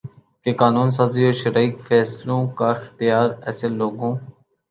کہ قانون سازی اور شرعی فیصلوں کا اختیار ایسے لوگوں